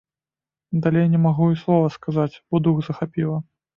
Далей не магу і слова сказаць, бо дух захапіла.